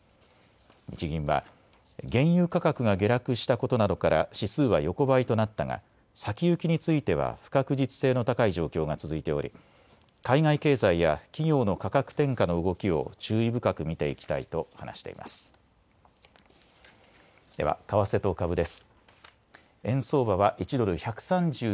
日銀は原油価格が下落したことなどから指数は横ばいとなったが先行きについては不確実性の高い状況が続いており海外経済や企業の価格転嫁の動きを注意深く見ていきたいと話しています。